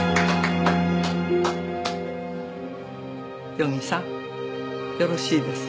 余木さんよろしいですね？